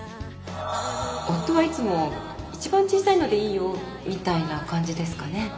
夫はいつも「一番小さいのでいいよ」みたいな感じですかね。